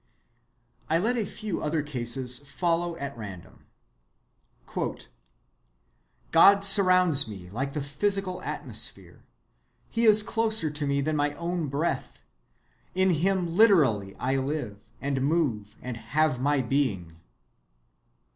I let a few other cases follow at random:— "God surrounds me like the physical atmosphere. He is closer to me than my own breath. In him literally I live and move and have my being."